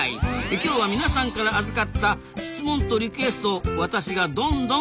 今日は皆さんから預かった質問とリクエストを私がどんどんお伝えしていきますぞ！